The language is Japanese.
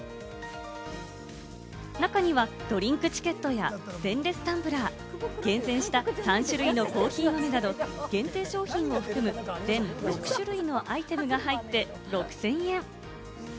中にはドリンクチケットや、ステンレスタンブラー、厳選した３種類のコーヒー豆など限定商品を含む全６種類のアイテムが入って６０００円。